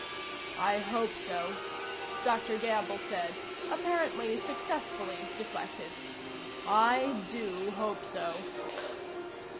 "I hope so," Dr. Gamble said, apparently successfully deflected. "I do hope so."